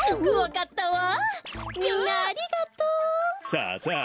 さあさあ